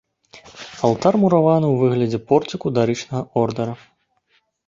Алтар мураваны ў выглядзе порціку дарычнага ордара.